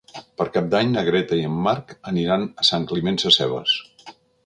Per Cap d'Any na Greta i en Marc aniran a Sant Climent Sescebes.